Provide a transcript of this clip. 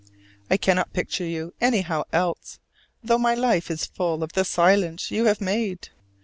I cannot picture you anyhow else, though my life is full of the silence you have made.